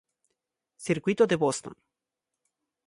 Circuito de Boston.